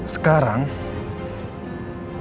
sekarang hidup saya harus berubah